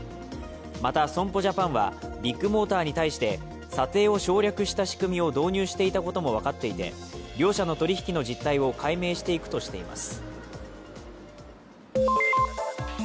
また損保ジャパンはビッグモーターに対して査定を省略した仕組みを導入していたことも分かっていて両社の取り引きの実態を解明していくとしています。